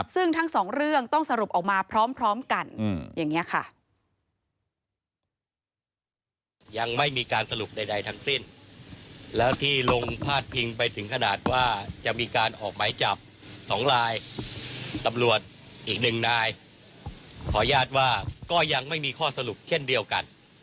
ซึ่งทั้งสองเรื่องต้องสรุปออกมาพร้อมกันอย่างนี้ค่ะ